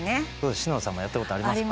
篠田さんもやったことありますか？